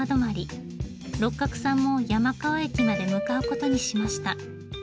六角さんも山川駅まで向かう事にしました。